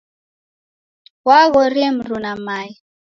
Wamghorie mruna mae.